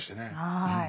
はい。